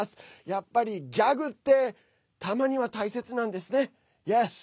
やっぱり、ギャグってたまには大切なんですね。